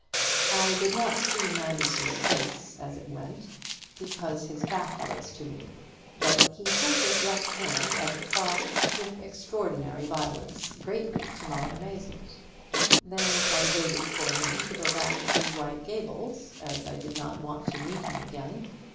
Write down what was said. I did not see Manderson's face as it went, because his back was to me, but he shook his left hand at the car with extraordinary violence, greatly to my amazement. Then I waited for him to go back to White Gables, as I did not want to meet him again.